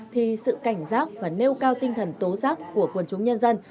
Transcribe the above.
thì sự cảnh giác và nêu cao tinh thần tố giác của quần chúng nhân dân